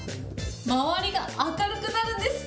周りが明るくなるんです。